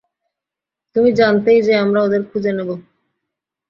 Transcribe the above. তুমি জানতেই যে, আমরা ওদের খুঁজে নেবো।